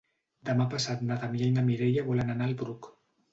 Demà passat na Damià i na Mireia volen anar al Bruc.